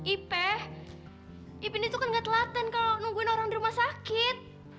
ipe ipenya itu kan gak telaten kalau nungguin orang di rumah sakit